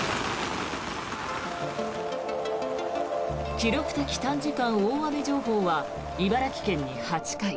記録的短時間大雨情報は茨城県に８回。